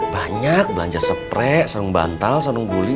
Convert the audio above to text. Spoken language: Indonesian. banyak belanja sepre salung bantal salung guling